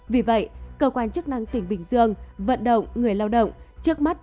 vì vậy cơ quan chức năng tỉnh bình dương vận động người lao động trước mắt